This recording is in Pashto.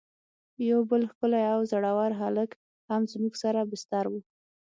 یو بل ښکلی او زړه ور هلک هم زموږ سره بستر و.